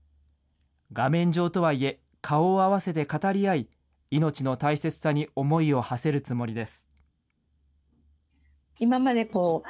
画面上とはいえ、顔を合わせて語り合い、命の大切さに思いをはせるつもりです。